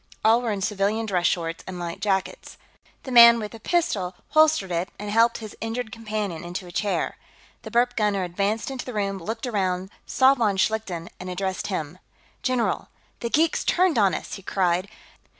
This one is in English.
All were in civilian dress shorts and light jackets. The man with the pistol holstered it and helped his injured companion into a chair. The burp gunner advanced into the room, looked around, saw von Schlichten, and addressed him. "General! The geeks turned on us!" he cried.